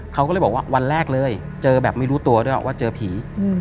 เขาก็เลยบอกว่าวันแรกเลยเจอแบบไม่รู้ตัวด้วยว่าเจอผี